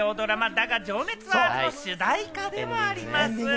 『だが、情熱はある』の主題歌でもあります。